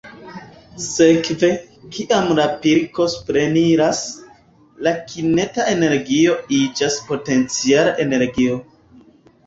Sekve, kiam la pilko supreniras, la kineta energio iĝas potenciala energio.